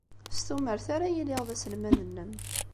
S tumert ara iliɣ d aselmad-nnem.